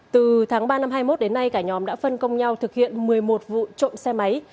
từ tháng ba năm hai nghìn hai mươi một đến nay cả nhóm đã phân công nhau thực hiện một mươi một vụ trộm xe máy